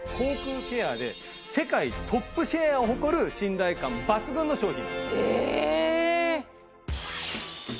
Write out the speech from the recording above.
口腔ケアで世界トップシェアを誇る信頼感抜群の商品なんです。え！